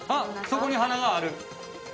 そこに花がある。